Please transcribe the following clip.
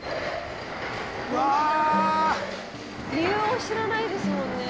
理由を知らないですもんね。